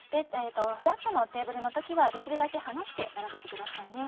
フラットのテーブルの時はできるだけ離して並べてください。